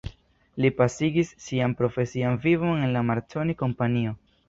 Li pasigis sian profesian vivon en la Marconi Kompanio.